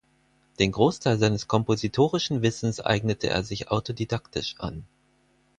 Den Großteil seines kompositorischen Wissens eignete er sich autodidaktisch an.